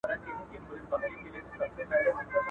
لولۍ نجوني پکښي ګرځي چي راځې بند به دي کړینه..